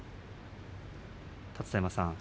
立田山さん